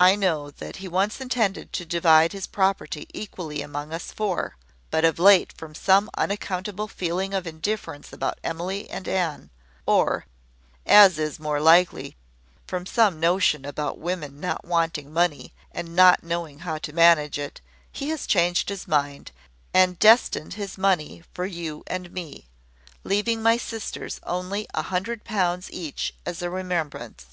I know that he once intended to divide his property equally among us four; but of late, from some unaccountable feeling of indifference about Emily and Anne, or, as is more likely, from some notion about women not wanting money, and not knowing how to manage it, he has changed his mind, and destined his money for you and me, leaving my sisters only a hundred pounds each as a remembrance.